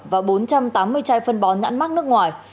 và bốn trăm tám mươi chai phân bón nhãn mắc nước ngoài